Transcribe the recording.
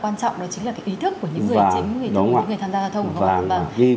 quan trọng đó chính là cái ý thức của những người chính